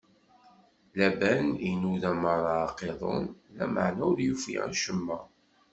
Laban inuda meṛṛa aqiḍun, lameɛna ur yufi acemma.